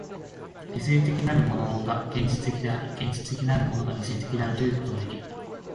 理性的なるものが現実的であり、現実的なるものが理性的であるということができる。